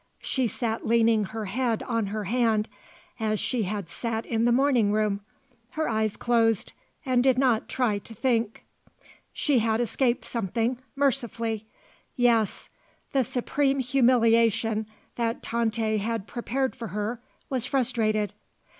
She sat leaning her head on her hand, as she had sat in the morning room, her eyes closed, and did not try to think. She had escaped something mercifully. Yes, the supreme humiliation that Tante had prepared for her was frustrated.